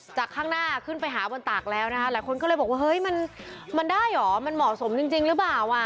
ข้างหน้าขึ้นไปหาบนตากแล้วนะคะหลายคนก็เลยบอกว่าเฮ้ยมันได้เหรอมันเหมาะสมจริงหรือเปล่าอ่ะ